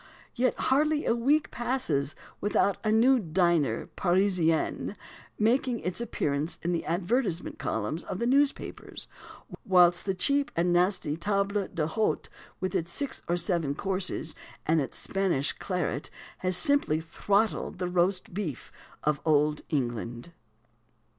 Yet hardly a week passes without a new dîner Parisien making its appearance in the advertisement columns of the newspapers; whilst the cheap and nasty table d'hôte, with its six or seven courses and its Spanish claret, has simply throttled the Roast Beef of Old England.